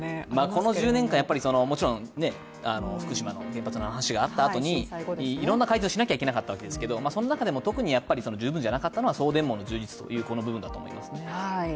この１０年間、福島の原発の話があったあとにいろんな改善をしなきゃいけなかったわけですけれども、その中でも、特に十分じゃなかったのは送電網の充実という部分だと思いますね。